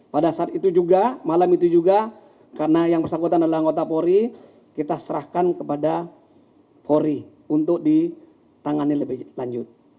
pada saat itu juga malam itu juga karena yang bersangkutan adalah anggota polri kita serahkan kepada polri untuk ditangani lebih lanjut